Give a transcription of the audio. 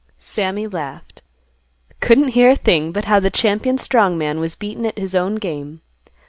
Sammy laughed, "Couldn't hear a thing but how the champion strong man was beaten at his own game.